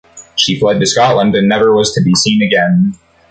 She fled to Scotland and never was to be seen again.